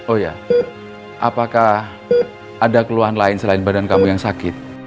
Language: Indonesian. oh ya apakah ada keluhan lain selain badan kamu yang sakit